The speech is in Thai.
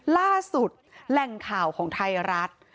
ล่าสุดแหล่งข่าวของไทยรัฐ